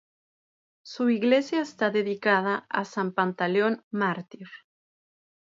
Su iglesia está dedicada a san Pantaleón mártir.